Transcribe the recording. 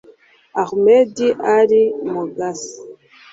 Ahmed Al Maghasi